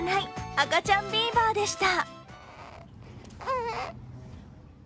赤ちゃんビーバーでした。